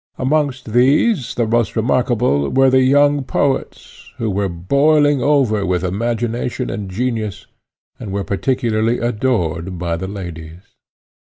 Amongst these the most remarkable were the young poets, who were boiling over with imagination and genius, and were particularly adored by the ladies.